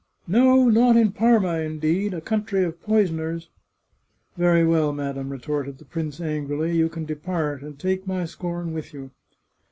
" No, not in Parma indeed — a country of poisoners !"" Very well, madam," retorted the prince angrily. " You can depart and take my scorn with you."